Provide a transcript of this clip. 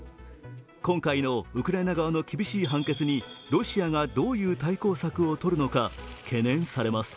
今回のウクライナ側の厳しい判決にロシアがどういう対抗策をとるのか、懸念されます。